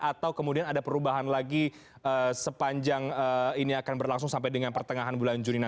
atau kemudian ada perubahan lagi sepanjang ini akan berlangsung sampai dengan pertengahan